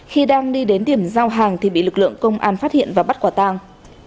khi đang đi đến điểm giao hàng thì bị lực lượng công an phát hiện và bắt quả tang